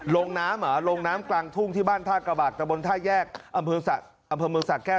ลงน้ำเหรอลงน้ำกลางทุ่งที่บ้านท่ากระบากตะบนท่าแยกอำเภอเมืองสะแก้ว